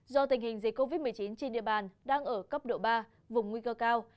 do tình hình dịch covid một mươi chín trên địa bàn đang ở cấp độ ba vùng nguy cơ cao